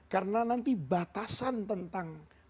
karena nanti batasan tentang